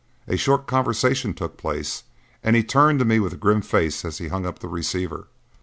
A short conversation took place and he turned to me with a grim face as he hung up the receiver.